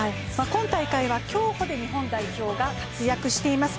今大会は競歩で日本代表が活躍しています。